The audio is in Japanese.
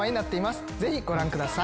ぜひご覧ください。